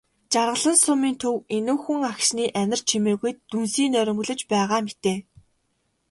Жаргалан сумын төв энүүхэн агшны анир чимээгүйд дүнсийн нойрмоглож байгаа мэтээ.